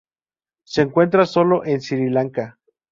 Se encuentra sólo en Sri Lanka.